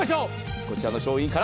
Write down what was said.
こちらの商品から。